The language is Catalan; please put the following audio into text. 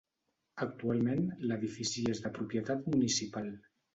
Actualment l'edifici és de propietat municipal.